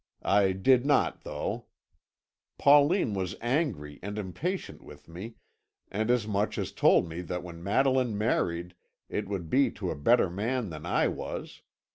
I did not, though. Pauline was angry and impatient with me, and as much as told me that when Madeline married it would be to a better man than I was.